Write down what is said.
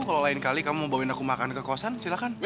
kalau lain kali kamu mau bawain aku makan ke kosan silahkan